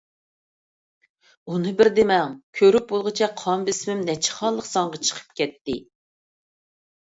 ئۇنى بىر دېمەڭ. كۆرۈپ بولغۇچە قان بېسىمىم نەچچە خانىلىق سانغا چىقىپ كەتتى.